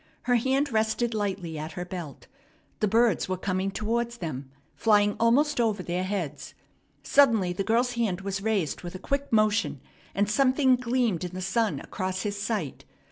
Her hand rested lightly at her belt. The birds were coming towards them, flying almost over their heads. Suddenly the girl's hand was raised with a quick motion, and something gleamed in the sun across his sight.